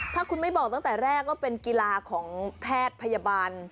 ถ้าคุณไม่บอกตั้งแต่แรกว่าเป็นกีฬาของแพทย์พยาบาล